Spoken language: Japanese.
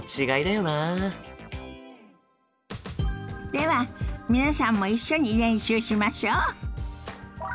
では皆さんも一緒に練習しましょ。